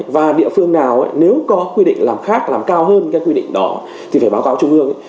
và địa phương nào nếu có quy định làm khác làm cao hơn cái quy định đó thì phải báo cáo trung ương